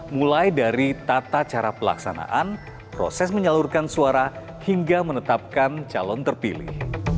mulai dari tata cara pelaksanaan proses menyalurkan suara hingga menetapkan calon terpilih